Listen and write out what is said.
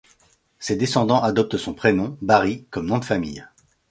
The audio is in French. Ses descendants adoptent son prénom, Bahri, comme nom de famille.